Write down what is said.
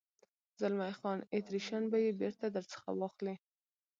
زلمی خان: اتریشیان به یې بېرته در څخه واخلي.